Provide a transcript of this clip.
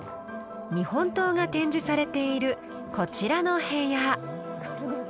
日本刀が展示されているこちらの部屋。